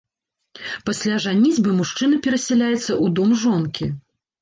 Пасля жаніцьбы мужчына перасяляецца ў дом жонкі.